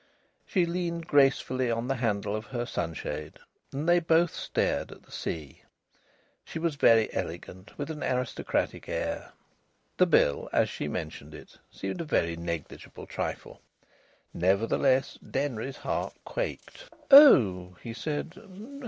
She leaned gracefully on the handle of her sunshade, and they both stared at the sea. She was very elegant, with an aristocratic air. The bill, as she mentioned it, seemed a very negligible trifle. Nevertheless, Denry's heart quaked. "Oh!" he said.